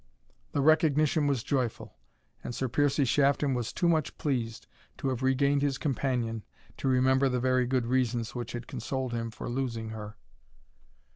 The recognition was joyful, and Sir Piercie Shafton was too much pleased to have regained his companion to remember the very good reasons which had consoled him for losing her.